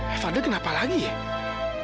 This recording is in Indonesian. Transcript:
eh fadil kenapa lagi ya